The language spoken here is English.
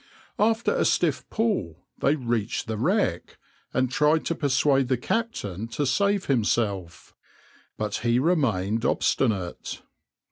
After a stiff pull they reached the wreck, and tried to persuade the captain to save himself, but he remained obstinate.